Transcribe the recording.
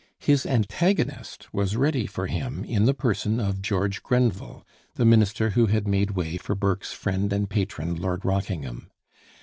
His antagonist was ready for him in the person of George Grenville, the minister who had made way for Burke's friend and patron Lord Rockingham.